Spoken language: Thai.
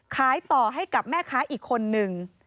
ขายต่อให้กับแม่ค้าอีกคนนึง